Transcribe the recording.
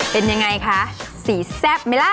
เป็นยังไงคะสีแซ่บไหมล่ะ